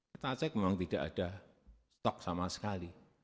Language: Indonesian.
kita cek memang tidak ada stok sama sekali